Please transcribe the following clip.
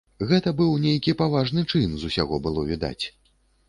Гэта быў нейкі паважны чын, з усяго было відаць.